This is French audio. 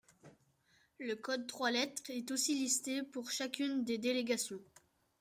Le code trois-lettres est aussi listée pour chacune des délégations.